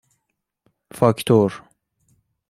فاکتور